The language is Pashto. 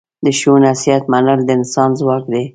د ښو نصیحت منل د انسان ځواک دی.